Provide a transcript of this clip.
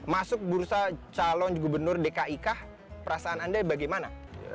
masuk bursa calon gubernur dkik perasaan anda bagaimana